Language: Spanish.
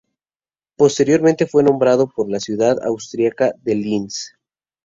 Posteriormente fue nombrado por la ciudad austriaca de Linz.